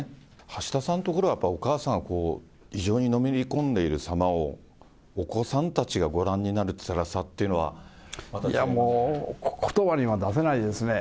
橋田さんのところはやっぱお母さん、こう異常にのめり込んでいる様をお子さんたちがご覧になるつらさいやもう、ことばには出せないですね。